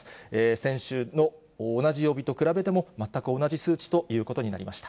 先週の同じ曜日と比べても全く同じ数値ということになりました。